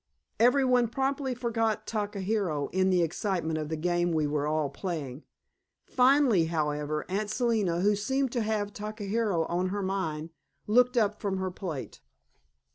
Every one promptly forgot Takahiro in the excitement of the game we were all playing. Finally, however, Aunt Selina, who seemed to have Takahiro on her mind, looked up from her plate.